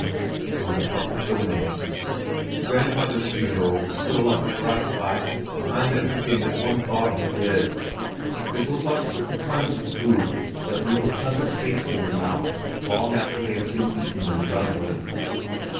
Good bye, then!" XXII Grandmother's funeral was still like a bright light behind everything that one thought and did. It was like certain kinds of food, that leave a pleasant taste in the mouth long after they have been eaten and done with.